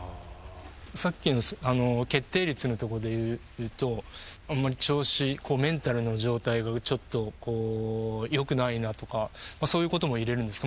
さっきの決定率のとこで言うとあんまり調子メンタルの状態がちょっとよくないなとかそういうことも入れるんですか？